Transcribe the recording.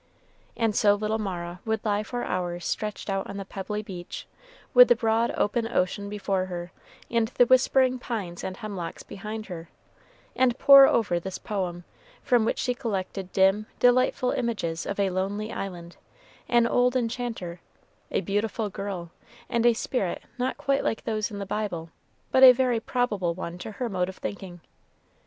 And so little Mara would lie for hours stretched out on the pebbly beach, with the broad open ocean before her and the whispering pines and hemlocks behind her, and pore over this poem, from which she collected dim, delightful images of a lonely island, an old enchanter, a beautiful girl, and a spirit not quite like those in the Bible, but a very probable one to her mode of thinking.